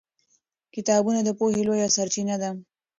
کتابونه د پوهې لویه سرچینه ده